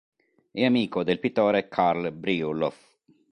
È amico del pittore Karl Brjullov.